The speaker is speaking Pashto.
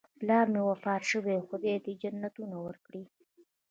پلار مې وفات شوی، خدای دې جنتونه ورکړي